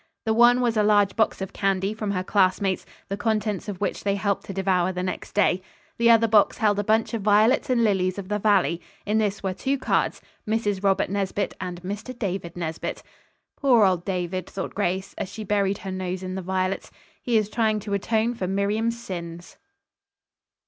The one was a large box of candy from her classmates, the contents of which they helped to devour the next day. The other box held a bunch of violets and lilies of the valley. In this were two cards, "Mrs. Robert Nesbit" and "Mr. David Nesbit." "Poor old David!" thought Grace, as she buried her nose in the violets. "He is trying to atone for Miriam's sins."